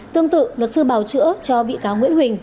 tương tự luật sư bào chữa cho bị cáo nguyễn huỳnh